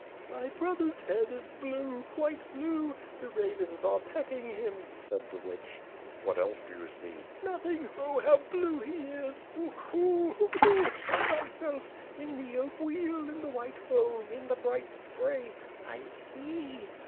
"My brother's head is blue, quite blue. The ravens are pecking him," said the witch. ^^''hat else do you see?" "Nothing! Oh, how blue he is! Huku! huku! Show thy self! In the oak wheel, in the white foam, in the bright spray! I see.